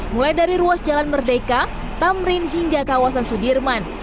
mulai dari ruas jalan merdeka tamrin hingga kawasan sudirman